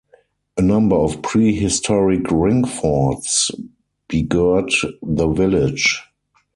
A number of prehistoric ringforts begird the village.